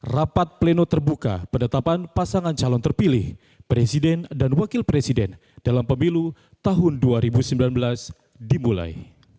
rapat pleno terbuka penetapan pasangan calon terpilih presiden dan wakil presiden dalam pemilu tahun dua ribu sembilan belas dimulai